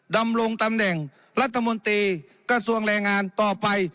ดำรงตำแหน่งรัฐมนตรีกระทรวงแรงงานต่อไป